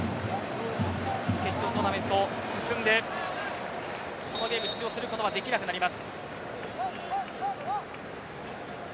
決勝トーナメント、進んでそのゲーム、出場することはできなくなります。